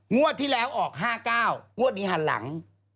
งวดที่แล้วออก๕๙งวดนี้หันหลัง